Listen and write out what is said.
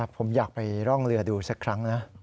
ผมอยากไปร่องเรือดูสักครั้งนะ